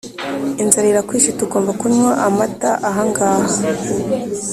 inzara irakwishe tugomba kunywa amata ahangaha